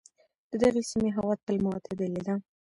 د دغې سیمې هوا تل معتدله ده.